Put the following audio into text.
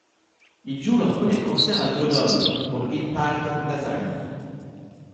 Ils jouent leur premier concert à Grenoble pour Impaled Nazarene.